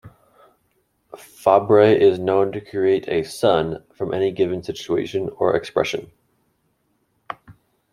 Fabre is known to create a "son" from any given situation or expression.